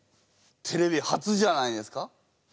テレビ初じゃないですか？